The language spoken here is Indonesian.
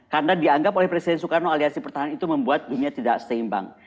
karena dianggap oleh presiden soekarno aliansi pertahanan itu membuat dunia tidak seimbang